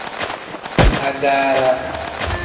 Agaara.